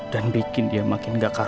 dan bikin dia makin nggak karuan